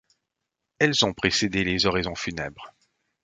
Elles ont précédé les oraisons funèbres.